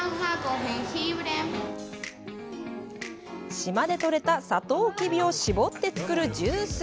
島で取れたサトウキビを搾って作るジュース。